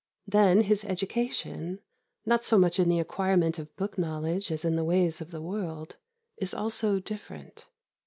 Then his education, not so much in the acquirement of book knowledge as in the ways of the world, is also different.